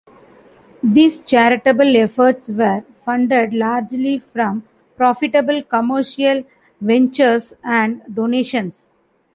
These charitable efforts were funded largely from profitable commercial ventures and donations.